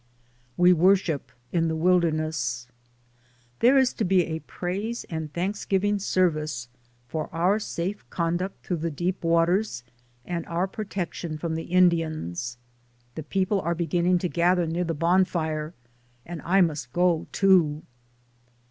WE WORSHIP IN THE WILDERNESS. There is to be a praise and thanksgiving service for our safe conduct through the deep waters and our protection from the Indians. The people are beginning to gather near the bonfire and I must go, too.